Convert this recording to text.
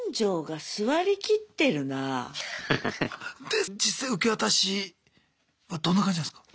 で実際受け渡しはどんな感じなんすか？